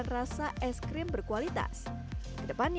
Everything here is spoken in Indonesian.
kedepannya yili indonesia akan terus berkumpul dengan pemerintah indonesia